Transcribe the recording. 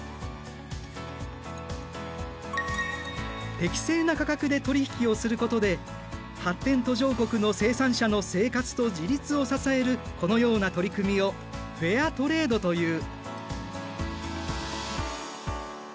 適正な価格で取り引きをすることで発展途上国の生産者の生活と自立を支えるこのような取り組みをフェアトレードという。